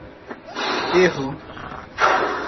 Erro.